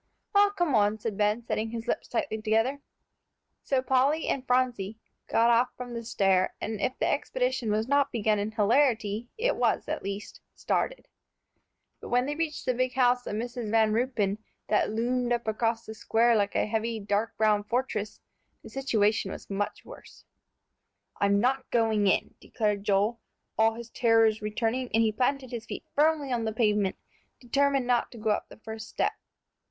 "Well, come on," said Ben, setting his lips tightly together. So Polly and Phronsie got off from the stair, and if the expedition was not begun in hilarity, it was at least started. But when they reached the big house of Mrs. Van Ruypen, that loomed up across the square like a heavy, dark brown fortress, the situation was much worse. "I'm not going in," declared Joel, all his terrors returning, and he planted his feet firmly on the pavement, determined not to go up the first step.